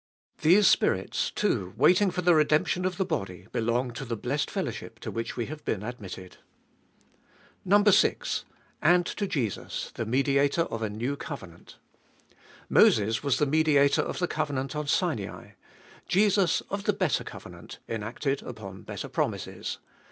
These spirits, too, waiting for the redemption of the body, belong to the blessed fellowship to which we have been admitted. 6. And to Jesus, the Mediator of a new covenant. Moses was the mediator of the covenant on Sinai ; Jesus, of the better covenant, enacted upon better promises.